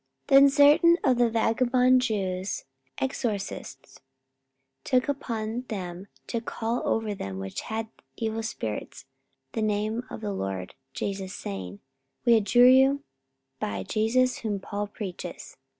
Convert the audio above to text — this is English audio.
44:019:013 Then certain of the vagabond Jews, exorcists, took upon them to call over them which had evil spirits the name of the LORD Jesus, saying, We adjure you by Jesus whom Paul preacheth.